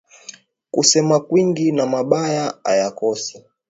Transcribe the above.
Kusema kwingi na mabaya ayakosi